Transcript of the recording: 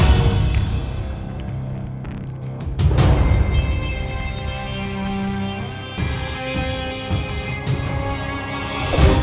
aku akan merahkan pasukan terbang